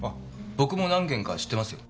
僕も何軒か知ってますよ。